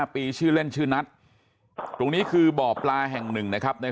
ปีชื่อเล่นชื่อนัทตรงนี้คือบ่อปลาแห่งหนึ่งนะครับใน